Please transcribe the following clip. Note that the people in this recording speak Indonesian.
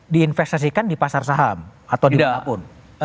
diinvestasikan di pasar saham atau dimana pun